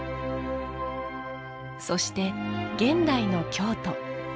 そして現代の京都。